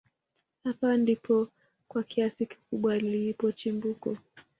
hapa ndipo kwa kiasi kikubwa lilipo chimbuko